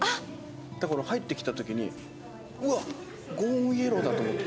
だから入ってきた時に「うわっゴーオンイエローだ！」と思ってた。